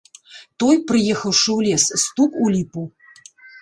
Той, прыехаўшы ў лес, стук у ліпу.